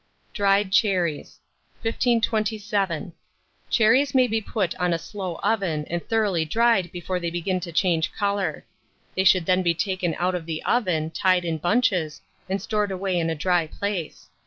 DRIED CHERRIES. 1527. CHERRIES may be put in a slow oven and thoroughly dried before they begin to change colour. They should then be taken out of the oven, tied in bunches, and stored away in a dry place.